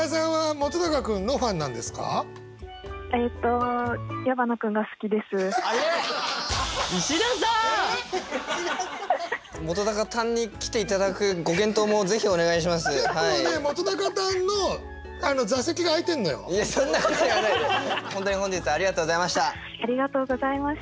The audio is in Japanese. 本当に本日はありがとうございました！